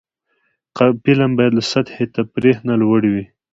فلم باید له سطحي تفریح نه لوړ وي